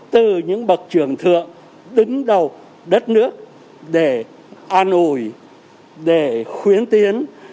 từ những bậc trưởng thượng đứng đầu đất nước để an ủi để khuyến tiến